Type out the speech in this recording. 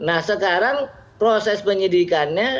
nah sekarang proses penyidikannya